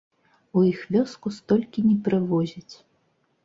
У іх вёску столькі не прывозяць.